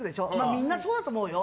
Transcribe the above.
みんなそうだと思うよ。